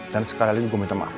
dan sekali lagi gue minta maaf